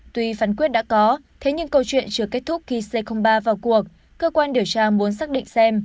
tuy phán quyết đã có thế nhưng câu chuyện chưa kết thúc khi c ba vào cuộc cơ quan điều tra muốn xác định xem